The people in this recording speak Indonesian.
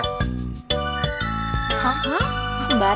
hah kembar kembar